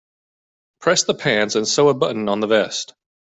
Press the pants and sew a button on the vest.